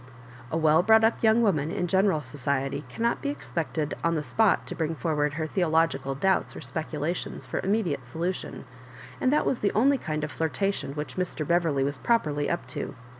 A well brought up youngs woman in general society cannot be ex pected on the spot to bring forward her theologi cal doubts or speculations for immediate solution ; and that was the only kind of flirtation which Mr. Beverley was prqperly up to.